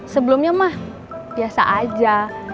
sebelumnya mah biasa aja